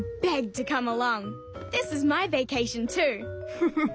フフフ。